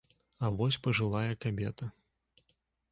А вось пажылая кабета.